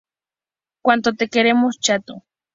Cuanto te queremos, chato".